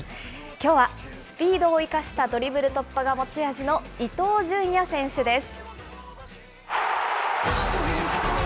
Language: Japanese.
きょうはスピードを生かしたドリブル突破が持ち味の伊東純也選手です。